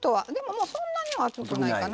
そんなには熱くないかな。